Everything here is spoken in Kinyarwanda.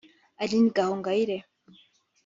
Aline Gahongayire